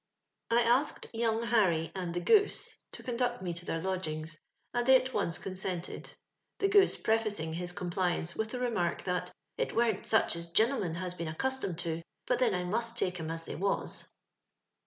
I asked young Harry and " the Goose to conduct me to their lodgings, and they at once consented, "the Goose" prefacing his compliance with the remark, that *' it wem't such as genilmen had been accustomed to, but then I must take 'em as they was."